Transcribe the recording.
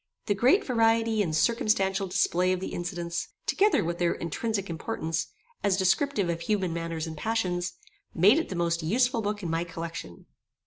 The great variety and circumstantial display of the incidents, together with their intrinsic importance, as descriptive of human manners and passions, made it the most useful book in my collection.